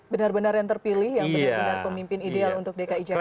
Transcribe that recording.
benar benar yang terpilih yang benar benar pemimpin ideal untuk dki jakarta